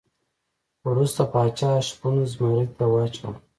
وروسته پاچا شپون زمري ته واچاوه.